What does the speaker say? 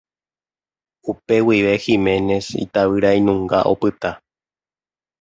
Upe guive Giménez itavyrainunga opyta.